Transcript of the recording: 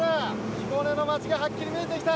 彦根の街がはっきり見えてきた！